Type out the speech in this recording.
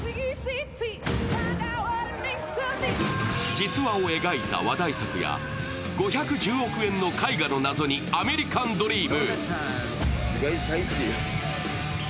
実話を描いた話題作や５１０億円の絵画の謎にアメリカンドリーム。